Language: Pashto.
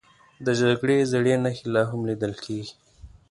د جګړې زړې نښې لا هم لیدل کېږي.